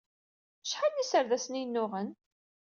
Acḥal n yiserdasen ay yennuɣen?